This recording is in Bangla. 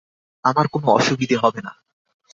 আমার কোনো অসুবিধা হবে না।